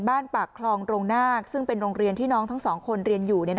ปากคลองโรงนาคซึ่งเป็นโรงเรียนที่น้องทั้งสองคนเรียนอยู่